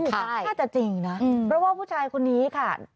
น่าจะจริงนะเพราะว่าผู้ชายคนนี้ค่ะ